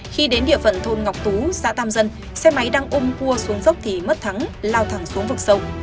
khi đến địa phận thôn ngọc tú xã tam dân xe máy đang ôm cua xuống dốc thì mất thắng lao thẳng xuống vực sông